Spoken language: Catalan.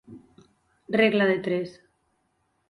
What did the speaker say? Regla de tres.